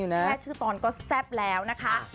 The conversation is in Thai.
แม่ชื่อตอนก็แซ่บแล้วนะคะ